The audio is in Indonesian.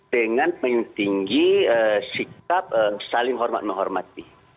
dengan menyingkirkan sikap saling berpengaruh